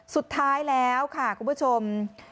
สุดท้ายแล้วค่ะคุณผู้ชม